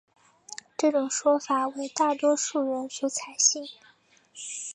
这种说法为大多数人所采信。